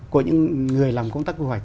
của những người làm công tác đô thị